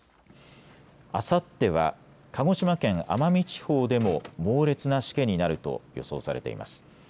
あさっては鹿児島県奄美地方でも猛烈なしけになると予想されています。